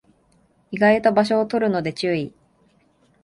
意外と場所を取るので注意